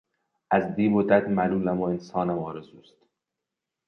از دیو و دد ملولم و انسانم آرزوست